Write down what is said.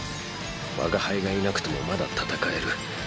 我が輩がいなくともまだ戦える。